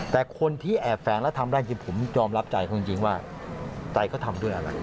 แต่คนที่แอบแฝงแล้วทำได้จริงผมยอมรับใจเขาจริงว่าใจเขาทำด้วยอะไร